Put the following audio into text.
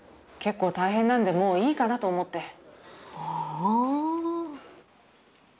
結構大変なんでもういいかなと思って。